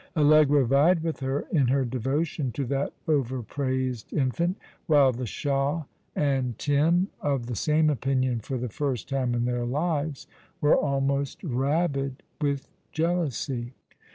Allegra^ vied with her in her devotion to that over praised infant ; while the Shah and Tim, of tho same opinion for the first time in their lives, were almost rabid with jealousy.